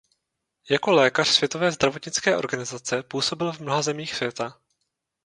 Jako lékař Světové zdravotnické organizace působil v mnoha zemích světa.